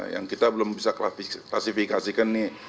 yang kita belum bisa klasifikasikan nih